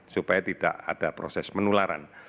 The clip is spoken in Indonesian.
supaya tidak ada proses penularan